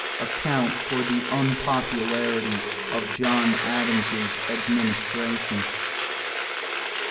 Account for the unpopularity of John Adams' administration.